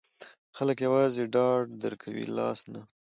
خلګ یوازې ډاډ درکوي، لاس نه.